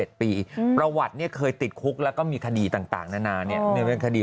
นี่ตัววัตรเนี่ยเคยติดคุกแล้วก็มีคดีต่างนานานเป็นคดี